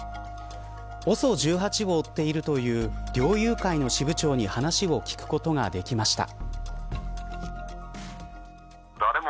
ＯＳＯ１８を追っているという猟友会の支部長に話を聞くことができました。